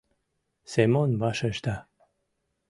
Семон вашешта: